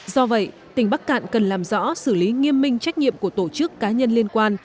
do vậy tỉnh bắc cạn cần làm rõ xử lý nghiêm minh trách nhiệm của tổ chức cá nhân liên quan